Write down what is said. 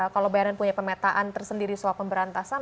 kalau bnn punya pemetaan tersendiri soal pemberantasan